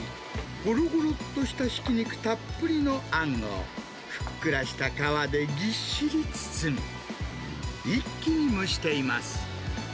ごろごろっとしたひき肉たっぷりのあんを、ふっくらした皮でぎっしり包み、一気に蒸しています。